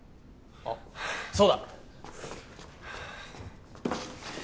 あそうだ。